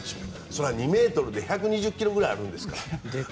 それは２ｍで１２０ｋｇぐらいあるんですから。